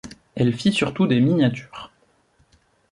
Elle fit surtout des miniatures.